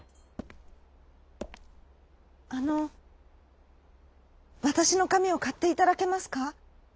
「あのわたしのかみをかっていただけますか？」。